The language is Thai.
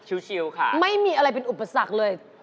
ชิลค่ะไม่มีอะไรเป็นอุปสรรคเลย